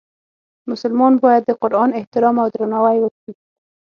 مسلمان باید د قرآن احترام او درناوی وکړي.